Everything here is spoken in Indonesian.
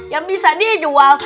yang bisa dijual